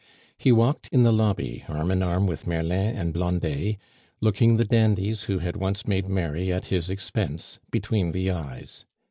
He walked in the lobby, arm in arm with Merlin and Blondet, looking the dandies who had once made merry at his expense between the eyes.